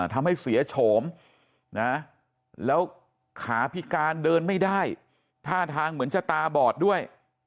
ทำให้เสียโฉมนะแล้วขาพิการเดินไม่ได้ท่าทางเหมือนจะตาบอดด้วย